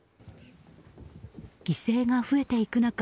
犠牲が増えていく中